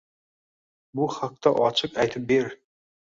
bu haqda ochiq aytib ber.